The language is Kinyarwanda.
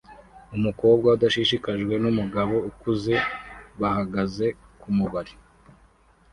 Umukobwa udashishikajwe numugabo ukuze bahagaze kumubari